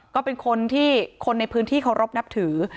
ก็เป็นคนที่คนในพื้นที่เคารพนับถือ